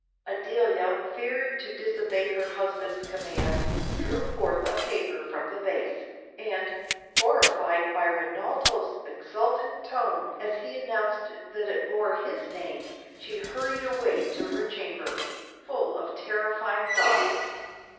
Adelia, fearing to disobey her husband's command, drew forth a paper from the vase; and, horrified by Renato's exultant tone as he announced that it bore his name, she hurried away to her chamber, full of terrifying thoughts.